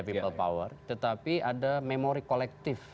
people power tetapi ada memori kolektif